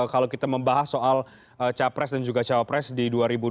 kalau kita membahas soal capres dan juga cawapres di dua ribu dua puluh